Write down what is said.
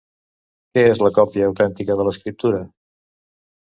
Què és la còpia autèntica de l'escriptura?